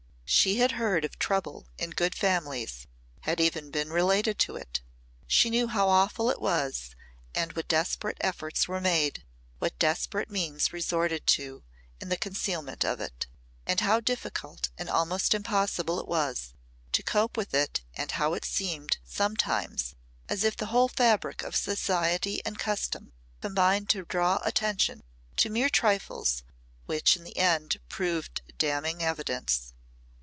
She had heard of "trouble" in good families, had even been related to it. She knew how awful it was and what desperate efforts were made, what desperate means resorted to, in the concealment of it. And how difficult and almost impossible it was to cope with it and how it seemed sometimes as if the whole fabric of society and custom combined to draw attention to mere trifles which in the end proved damning evidence.